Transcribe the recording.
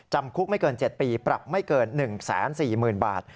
จำคุกไม่เกิน๗ปีปรับไม่เกิน๑๔๐๐๐บาท